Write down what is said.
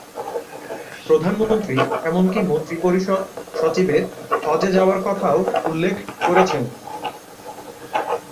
প্রধানমন্ত্রী এমনকি মন্ত্রিপরিষদ সচিবের হজে যাওয়ার কথাও উল্লেখ করেছেন।